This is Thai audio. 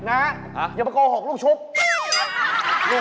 นะอย่าไปโกหกลูกชุบนะเนี่ย